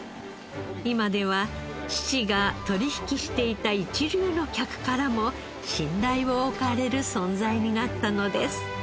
今では父が取引していた一流の客からも信頼を置かれる存在になったのです。